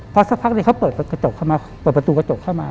เพราะสักพักเขาเปิดประตูกระจกเข้ามา